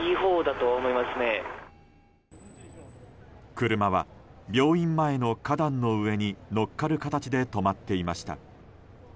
車は病院前の花壇の上に乗っかる形で止まっていました。